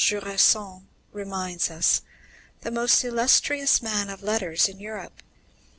Jusserand reminds us, the most illustrious man of letters in Europe.